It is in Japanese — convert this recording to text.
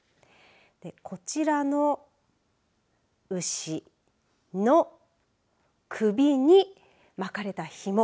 こちらの牛の首に巻かれたひも。